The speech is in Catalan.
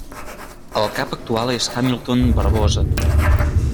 El cap actual és Hamilton Barbosa.